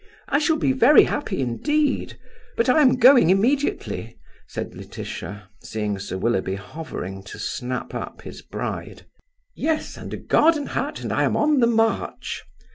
"I shall be very happy indeed. But I am going immediately," said Laetitia, seeing Sir Willoughby hovering to snap up his bride. "Yes; and a garden hat and I am on the march."